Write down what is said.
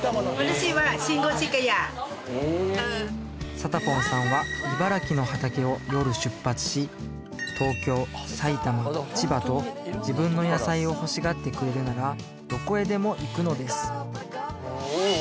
サタポンさんは東京埼玉千葉と自分の野菜を欲しがってくれるならどこへでも行くのですいいね